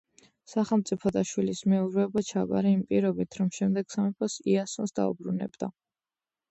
სახელმწიფო და შვილის მეურვეობა ჩააბარა იმ პირობით, რომ შემდეგ სამეფოს იასონს დაუბრუნებდა.